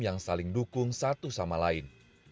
yang saling dukung satu sama lain